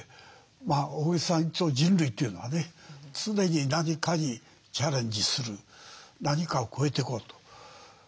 大げさに言うと人類というのはね常に何かにチャレンジする何かを越えていこうと。